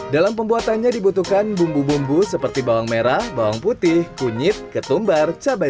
dalam pembuatannya dibutuhkan bumbu bumbu seperti bawang merah bawang putih kunyit ketumbar cabai